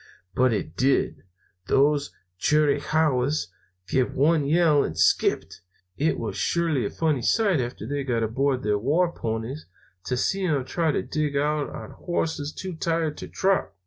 But it did. Those Chiricahuas give one yell and skipped. It was surely a funny sight, after they got aboard their war ponies, to see them trying to dig out on horses too tired to trot.